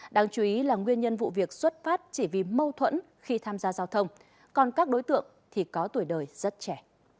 đáng chú ý là nguyên nhân vụ việc xuất phát chỉ vì mâu thuẫn khi tham gia giao thông còn các đối tượng thì có tuổi đời rất trẻ